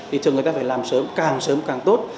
thì thường người ta phải làm sớm càng sớm càng tốt